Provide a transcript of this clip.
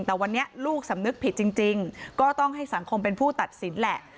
แต่วันนี้ลูกสำนึกผิดจริงก็ต้องให้สังคมเป็นผู้ตัดสินแหละ